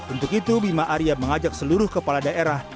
untuk itu bima arya mengajak seluruh kepala daerah